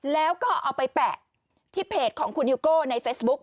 แล้วก็เอาไปแปะที่เพจของคุณฮิวโก้ในเฟซบุ๊ค